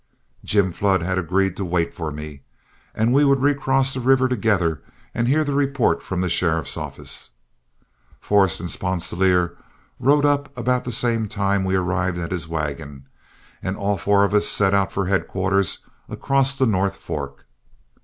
Jim Flood had agreed to wait for me, and we would recross the river together and hear the report from the sheriff's office. Forrest and Sponsilier rode up about the same time we arrived at his wagon, and all four of us set out for headquarters across the North Fork.